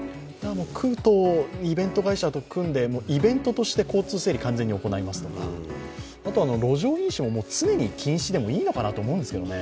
区とイベント会社と組んで、イベントとして交通整理を完全に行いますとか路上飲酒も常に禁止でもいいのかなと思うんですけどね